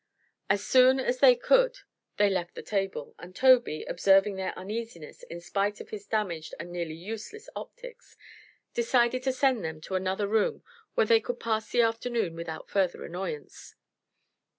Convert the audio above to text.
As soon as they could they left the table, and Tobey, observing their uneasiness in spite of his damaged and nearly useless optics, decided to send them to another room where they could pass the afternoon without further annoyance.